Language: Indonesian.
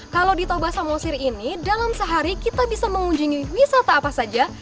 kalau di toba samosir ini dalam sehari kita bisa mengunjungi wisata apa saja